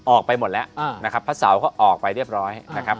ออกไปหมดแล้วนะครับพระเสาร์ก็ออกไปเรียบร้อยนะครับ